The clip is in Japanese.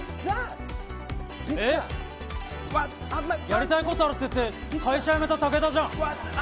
やりたいことあるって言って会社辞めたタケダじゃん。